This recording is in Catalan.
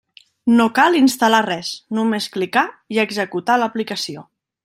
No cal instal·lar res, només clicar i executar l'aplicació.